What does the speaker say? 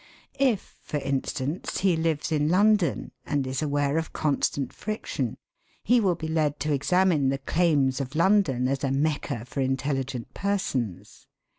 If, for instance, he lives in London, and is aware of constant friction, he will be led to examine the claims of London as a Mecca for intelligent persons.